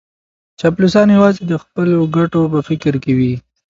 چاپلوسان یوازې د خپلو ګټو په فکر کي وي.